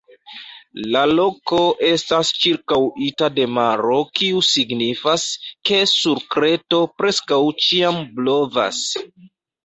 La loko estas ĉirkaŭita de maro kiu signifas, ke sur Kreto preskaŭ ĉiam blovas.